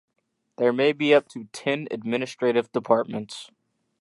There may be up to ten administrative departments.